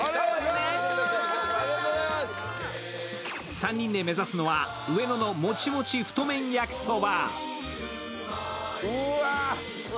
３人で目指すのは、上野のもちもち太麺焼きそば。